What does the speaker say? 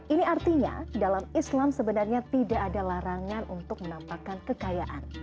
ini artinya dalam islam sebenarnya tidak ada larangan untuk menampakkan kekayaan